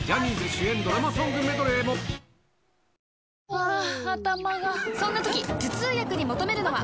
ハァ頭がそんな時頭痛薬に求めるのは？